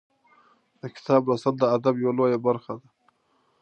د کتاب لوستل د ادب یوه لویه برخه ده.